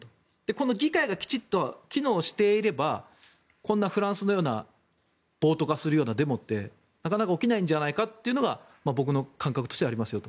この議会がきちんと機能していればこんなフランスのような暴徒化するようなデモってなかなか起きないんじゃないかというのが僕の感覚としてはあります。